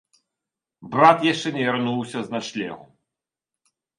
Брат яшчэ не вярнуўся з начлегу.